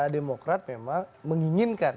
demokrat memang menginginkan